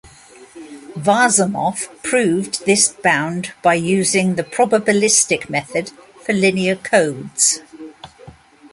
Varshamov proved this bound by using the probabilistic method for linear codes.